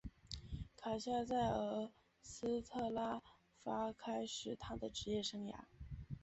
卡夏在俄斯特拉发开始他的职业生涯。